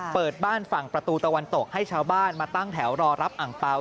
เปิดบ้านฝั่งประตูตะวันตกให้ชาวบ้านมาตั้งแถวรอรับอังเปล่า